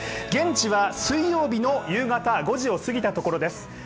現地は水曜日の夕方５時を過ぎたところです。